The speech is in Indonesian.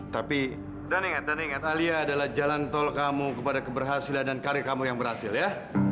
tapi jangan ingat alia adalah jalan tol kamu kepada keberhasilan dan karir kamu yang berhasil ya